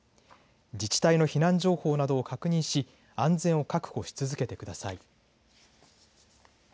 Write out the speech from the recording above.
自治体の避難情報などを確認し安全を確保し続けてください。